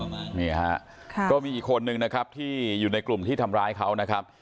นี่ฮะค่ะก็มีอีกคนนึงนะครับที่อยู่ในกลุ่มที่ทำร้ายเขานะครับ